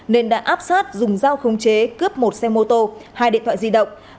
nên đã áp sát dùng dao không chế cướp một xe mô tô hai điện thoại di động